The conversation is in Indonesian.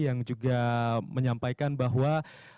yang juga menyampaikan bahwa